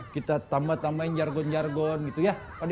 kita tambah tambahin jargon jargon gitu ya